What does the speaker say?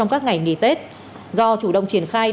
các ngày nghỉ tết do chủ động triển khai